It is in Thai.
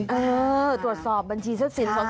เออตรวจสอบบัญชีซับสินศัตริย์